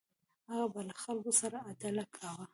هغه به له خلکو سره عدل کاوه.